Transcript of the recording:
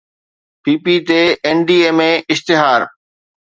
P P T NDMA اشتهار